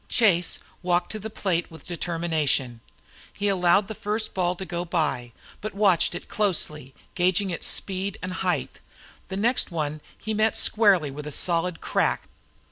Chase walked to the plate with determination. He allowed the first ball to go by, but watched it closely, gauging its speed and height. The next one he met squarely with a solid crack.